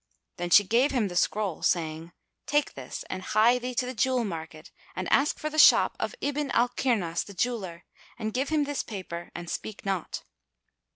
Then she gave him the scroll, saying, "Take this and hie thee to the jewel market and ask for the shop of Ibn al Kirnas the Jeweller and give him this paper and speak not."